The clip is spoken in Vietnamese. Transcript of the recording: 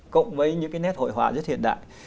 cộng với những cái nét hội họa rất hiện đại